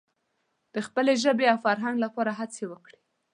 د خپلې ژبې او فرهنګ لپاره هڅې وکړي.